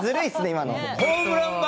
今の。